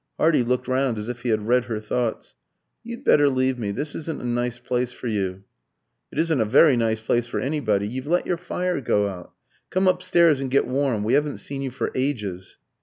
Hardy looked round as if he had read her thoughts. "You'd better leave me. This isn't a nice place for you." "It isn't a very nice place for anybody. You've let your fire go out. Come upstairs and get warm; we haven't seen you for ages."